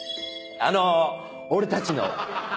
あの俺たちの。